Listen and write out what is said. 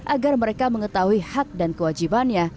agar mereka mengetahui hak dan kewajibannya